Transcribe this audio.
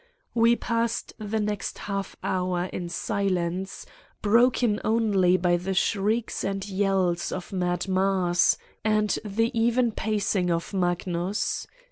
We passed the next half hour in silence, broken only by the shrieks and yells of Mad Mars and the even pacing of Magnus.